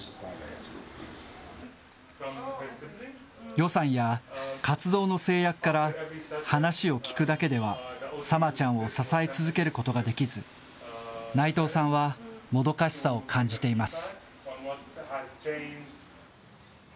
予算や活動の制約から、話を聞くだけではサマちゃんを支え続けることができず、内藤さんはもどかしさを感じています。